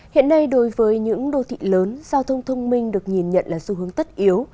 hiện nay đối với những đô thị lớn giao thông thông minh được nhìn nhận là xu hướng tất yếu